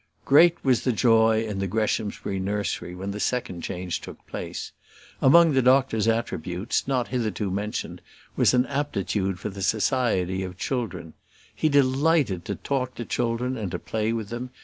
Great was the joy in the Greshamsbury nursery when the second change took place. Among the doctor's attributes, not hitherto mentioned, was an aptitude for the society of children. He delighted to talk to children, and to play with them.